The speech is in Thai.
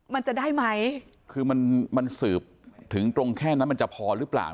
มันจะได้ไหมคือมันมันสืบถึงตรงแค่นั้นมันจะพอหรือเปล่า